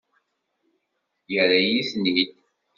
Yerra-yi-ten-id.